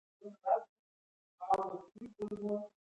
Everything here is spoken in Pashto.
د شپو د جلادانو له چړو لاندې راتېره ګیلهمنه